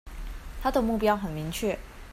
他的目標很明確